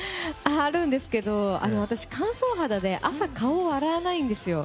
あるんですけど私、乾燥肌で朝、顔を洗わないんですよ。